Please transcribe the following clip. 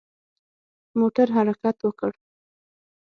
موټر حرکت وکړ.